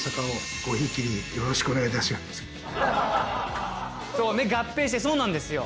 これからもそうね合併してそうなんですよ。